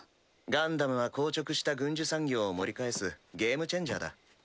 ガンダムは硬直した軍需産業を盛り返すゲームチェンジャーだ。